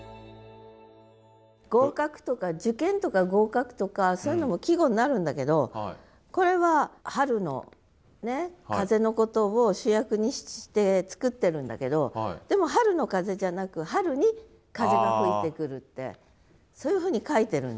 「合格」とか「受験」とか「合格」とかそういうのも季語になるんだけどこれは春の風のことを主役にして作ってるんだけどでも春の風じゃなく春に風が吹いてくるってそういうふうに書いてるんで。